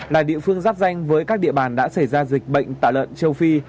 là địa phương giáp danh với các địa bàn đã xảy ra dịch bệnh tả lợn châu phi